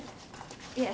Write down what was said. いえ。